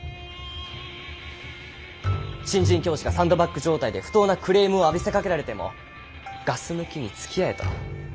新人教師がサンドバッグ状態で不当なクレームを浴びせかけられてもガス抜きにつきあえと？